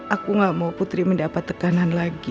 aku gak mau putri mendapat tekanan lagi